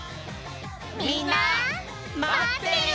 みんなまってるよ！